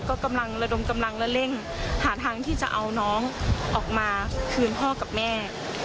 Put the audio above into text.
ก็กำลังระดมกำลังและเร่งหาทางที่จะเอาน้องออกมาคืนพ่อกับแม่